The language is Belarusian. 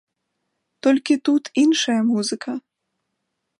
Толькі тут іншая музыка.